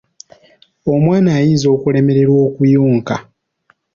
Omwana ayinza okulemererwa okuyonka.